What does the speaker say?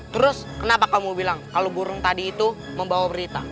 terus kenapa kamu bilang kalau burung tadi itu membawa berita